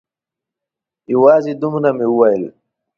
یوازې دومره مې وویل.